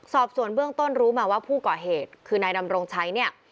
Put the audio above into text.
สอบส่วนเบื้องต้นรู้มาว่าผู้ก่อเหตุคือนายดำรงชัยเนี่ย